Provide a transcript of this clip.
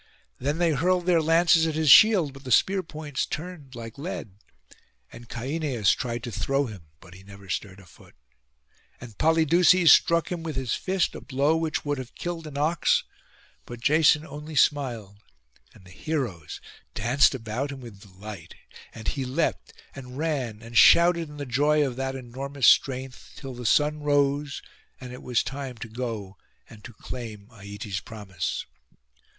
Then they hurled their lances at his shield, but the spear points turned like lead; and Caineus tried to throw him, but he never stirred a foot; and Polydeuces struck him with his fist a blow which would have killed an ox, but Jason only smiled, and the heroes danced about him with delight; and he leapt, and ran, and shouted in the joy of that enormous strength, till the sun rose, and it was time to go and to claim Aietes' promise.